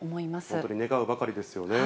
本当に願うばかりですよね。